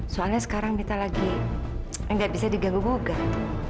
soalnya sekarang mita lagi nggak bisa diganggu gugah